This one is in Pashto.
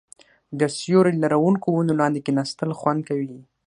د سیوري لرونکو ونو لاندې کیناستل خوند کوي.